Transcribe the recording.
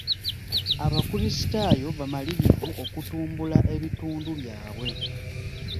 Abakrisitaayo bamalirivu okutumbula ebitundu byabwe.